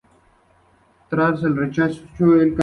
Tessa rechazó el cambio.